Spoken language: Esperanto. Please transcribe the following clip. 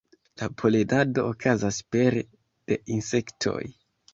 La polenado okazas pere de insektoj.